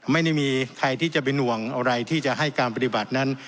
ไม่ได้มีใครที่จะเป็นห่วงอะไรที่จะให้การปฏิบัตินั้น